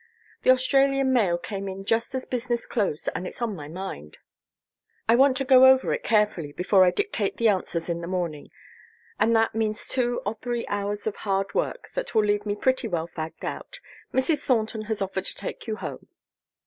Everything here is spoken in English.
The Australian mail came in just as business closed and it's on my mind. I want to go over it carefully before I dictate the answers in the morning, and that means two or three hours of hard work that will leave me pretty well fagged out. Mrs. Thornton has offered to take you home."